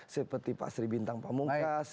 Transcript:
seperti pak sri bintang pamungkas